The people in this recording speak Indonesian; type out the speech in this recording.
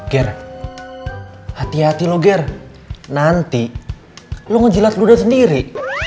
ger hati hati lu ger nanti lo ngejilat ludah sendiri